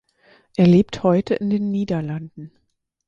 Er lebt heute in den Niederlanden.